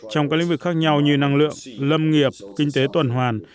trong các lĩnh vực khác nhau như năng lượng lâm nghiệp kinh tế tuần hoàn